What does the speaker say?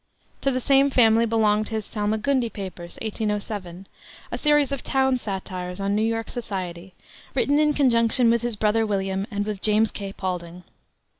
To the same family belonged his Salmagundi papers, 1807, a series of town satires on New York society, written in conjunction with his brother William and with James K. Paulding.